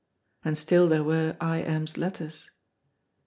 And still there were I M 's letters.